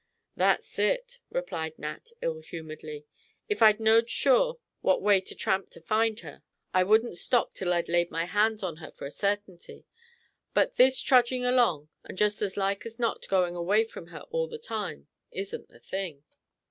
"That's it," replied Nat, ill humoredly; "if I knowed sure what way to tramp to find her, I wouldn't stop till I'd laid my hands on her for a certainty; but this trudging along, and just as like as not going away from her all the time, isn't the thing."